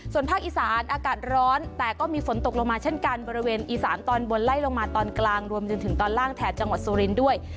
ส่วนภาคอีสานอากาศร้อนแต่ก็มีฝนตกลงมาเช่นกันบริเวณอีสานตอนบนไล่ลงมาตอนกลางรวมจนถึงตอนล่างแถบจังหวัดสุรินทร์ด้วย